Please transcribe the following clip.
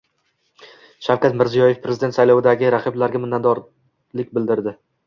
Shavkat Mirziyoyev Prezident saylovidagi raqiblariga minnatdorlik bildirdi